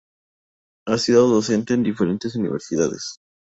Ha sido docente en diferentes universidades.